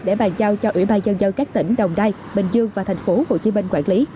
để bàn giao cho ủy ban nhân dân các tỉnh đồng nai bình dương và tp hcm quản lý